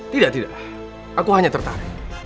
tidak tidak aku hanya tertarik